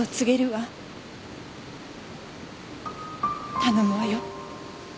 頼むわよ。